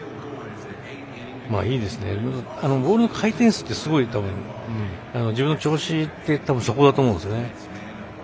いいですねボールの回転数って、すごい自分の調子ってそこだと思うんですよね。